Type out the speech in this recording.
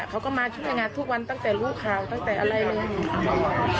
เขาก็มาช่วยงานทุกวันตั้งแต่รู้ข่าวตั้งแต่อะไรเลย